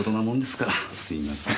すいません。